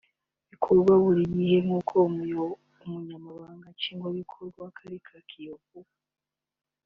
gikorwa buri gihe nkuko Umunyamabanga Nshingwabikorwa w’Akagari ka Kiyovu